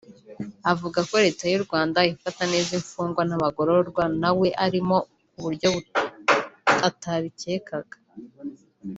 avuga ko Leta y’u Rwanda ifata neza imfungwa n’abagororwa na we ari mo ku buryo atabikekaga